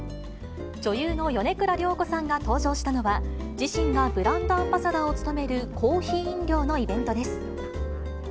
女優の米倉涼子さんが登場したのは、自身がブランドアンバサダーを務める、コーヒー飲料のイベントです。